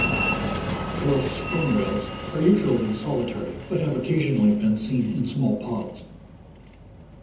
Dwarf sperm whales are usually solitary, but have occasionally been seen in small pods.